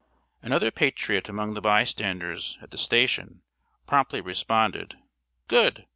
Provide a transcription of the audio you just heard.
Another patriot among the bystanders at the station promptly responded: "Good.